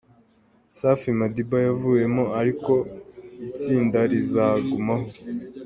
Safi Madiba yavuyemo ariko itsinda rizagumaho.